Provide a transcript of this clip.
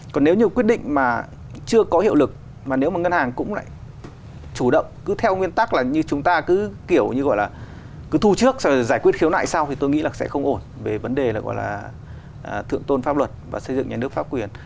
còn nếu như quyết định mà chưa có hiệu lực mà nếu mà ngân hàng cũng lại chủ động cứ theo nguyên tắc là như chúng ta cứ kiểu như gọi là cứ thu trước giải quyết khiếu nại xong thì tôi nghĩ là sẽ không ổn về vấn đề là gọi là thượng tôn pháp luật và xây dựng nhà nước pháp quyền